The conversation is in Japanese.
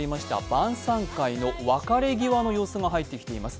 晩さん会の別れ際の様子が入ってきています。